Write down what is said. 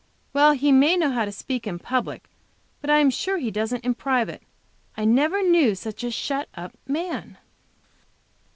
Well he may know how to speak in public, but I am sure he doesn't in private. I never knew such a shut up man.